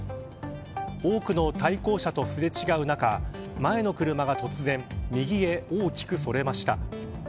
多くの対向車とすれ違う中前の車が突然右へ大きくそれました。